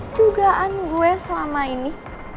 dugaan gue selama ini